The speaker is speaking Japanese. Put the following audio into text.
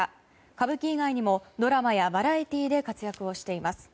歌舞伎以外にもドラマやバラエティーで活躍をしています。